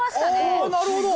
あなるほど。